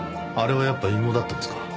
あれはやっぱ隠語だったんですか。